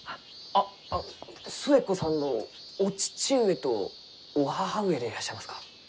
あっ寿恵子さんのお父上とお母上でいらっしゃいますか？